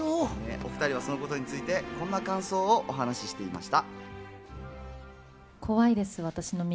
お２人はそのことについて、こんな感想を話していました。